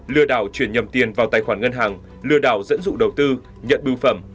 lừa đảo chuyển nhầm tiền vào tài khoản ngân hàng lừa đảo dẫn dụ đầu tư nhận bưu phẩm